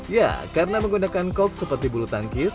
ya karena menggunakan kok seperti bulu tangkis